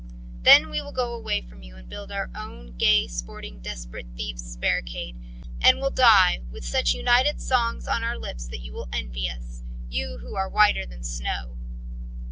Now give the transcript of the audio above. Then we will go away from you and build our own gay, sporting, desperate thieves' barricade, and will die with such united songs on our lips that you will envy us, you who are whiter than snow!